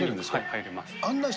入れます。